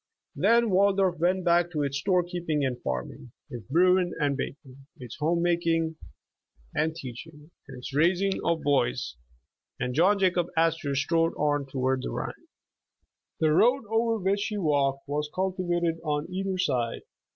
Then Waldorf went back to its store keeping and farming, its brewing and baking, its home making aud 37 The Original John Jacob Astor teaching, and its raising of boys, and John Jacob As tor strode on toward the Rhine. The road over which he walked was cultivated on either side.